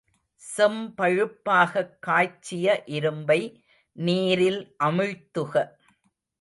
செம்பழுப்பாகக் காய்ச்சிய இரும்பை நீரில் அமிழ்த்துக.